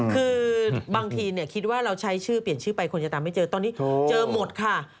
คือบางทีคิดว่าเราใช้ชื่อเปลี่ยนชื่อไปคนจะตามไม่เจอตอนนี้เจอหมดค่ะ